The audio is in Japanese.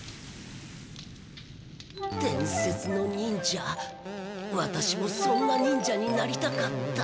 伝説の忍者ワタシもそんな忍者になりたかった。